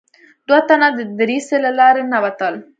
دوه تنه د دريڅې له لارې ننوتل.